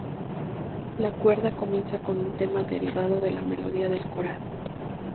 La cuerda comienza con un tema derivado de la melodía del coral.